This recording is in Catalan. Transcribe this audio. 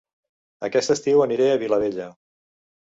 Aquest estiu aniré a Vilabella